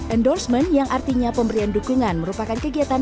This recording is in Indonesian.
endorsement yang artinya pemberian dukungan merupakan kegiatan